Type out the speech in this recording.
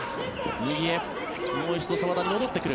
右へ、もう一度澤田に戻ってくる。